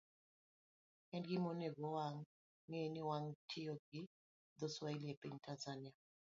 En gima onego wang'e ni wach tiyo gi dho-Swahili e piny Tanzania,